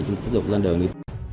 chúng tôi được lên đường đi